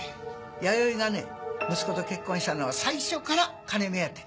弥生がね息子と結婚したのは最初から金目当て。